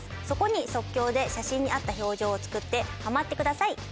そこに即興で写真に合った表情を作ってはまってください。